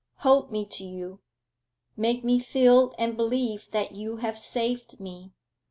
Hold me to you make me feel and believe that you have saved me!